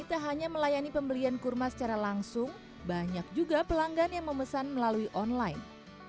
tak hanya melayani pembelian kurma secara langsung banyak juga pelanggan yang memesan melalui online